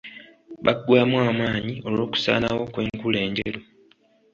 Baggwamu amaanyi olw'okusaanawo kw'enkula enjeru .